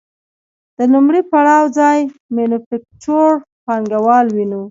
د لومړي پړاو ځای مینوفکچور پانګوالي ونیو